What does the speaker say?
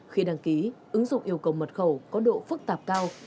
khi đăng ký ứng dụng yêu cầu mật khẩu có độ phức tạp cao